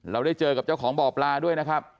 เราได้เจอกับเจ้าของบ่อปลาด้วยนะครับ